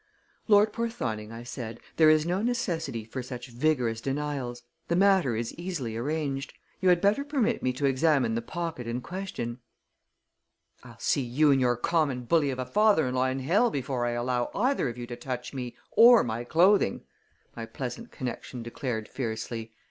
"Lord Porthoning," I said, "there is no necessity for such vigorous denials. The matter is easily arranged. You had better permit me to examine the pocket in question." "I'll see you and your common bully of a father in law in hell before I allow either of you to touch me or my clothing!" my pleasant connection declared fiercely.